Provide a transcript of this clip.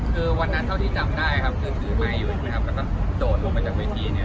คือวันนั้นเท่าที่จำได้ครับคือถือไมค์อยู่ใช่ไหมครับแล้วก็โดดลงมาจากเวทีเนี่ย